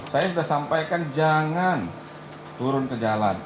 saya sudah sampaikan jangan turun ke jalan